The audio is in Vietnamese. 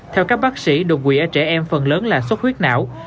theo các bác sĩ đột quỵ ở trẻ em phần lớn là xuất khuyết não